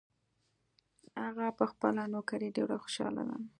هغه په خپله نوکري ډېر خوشحاله ده